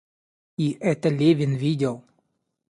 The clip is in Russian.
И это Левин видел.